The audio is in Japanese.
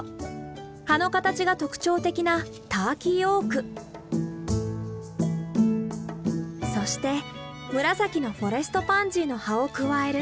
葉の形が特徴的なターキーオークそして紫のフォレストパンジーの葉を加える。